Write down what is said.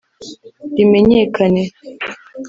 rimenyekane